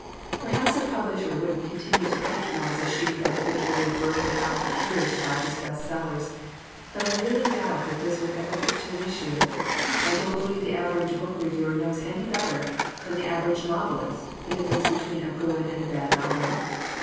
"Perhaps a publisher wouldn't continue to patronize a sheet that habitually blurted out the truth about his best sellers, but I really doubt that this was ever put to an issue. I don't be lieve the average book reviewer knows any bet ter than the average novelist the difference be tween a good and a bad novel.